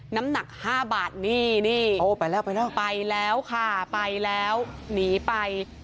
น้ำหนักห้าบาทนี่นี่โอ้ไปแล้วไปแล้วค่ะไปแล้วหนีไป